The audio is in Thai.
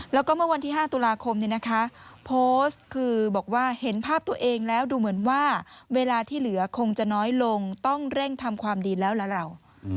แล้วก็เมื่อวันที่๕ตุลาคมโพสต์คือบอกว่าเห็นภาพตัวเองแล้วดูเหมือนว่าเวลาที่เหลือคงจะน้อยลงต้องเร่งทำความดีแล้วล่ะเรา